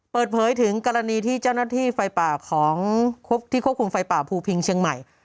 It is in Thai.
เปิดเผยถึงกรณีที่เจ้าหน้าที่ไฟป่าของที่ควบคุมไฟป่าภูพิงเชียงใหม่